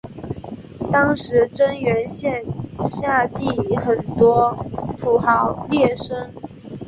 当时真源县辖地很多土豪劣绅。